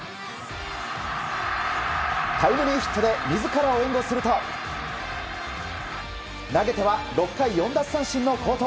タイムリーヒットで自らを援護すると投げては６回４奪三振の好投。